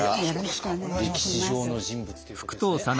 歴史上の人物ということですね。